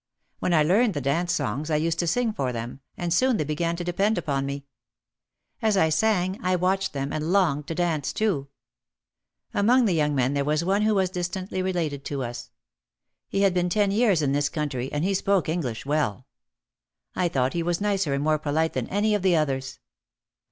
When I learned the dance songs I used to sing for them, and soon they began to depend upon me. As I sang I watched them and longed to dance too. Among the young men there was one who was dis tantly related to us. He had been ten years in this coun try and he spoke English well. I thought he was nicer and more polite than any of the others.